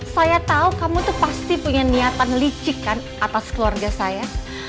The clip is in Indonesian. saya tahu kamu tuh pasti punya niatan licik kan atas keluarga saya